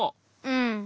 うん。